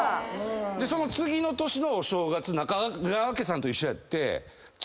その次の年のお正月中川家さんと一緒やって。